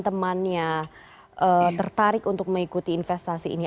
temannya tertarik untuk mengikuti investasi ini